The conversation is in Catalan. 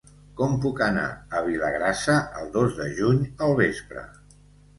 Com puc anar a Vilagrassa el dos de juny al vespre?